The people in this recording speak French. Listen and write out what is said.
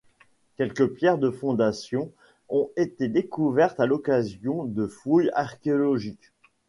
Quelques pierres de fondation ont été découvertes à l’occasion de fouilles archéologiques.